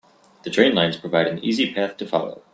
The train lines provided an easy path to follow.